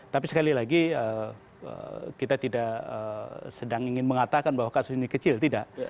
tapi sekali lagi kita tidak sedang ingin mengatakan bahwa kasus ini kecil tidak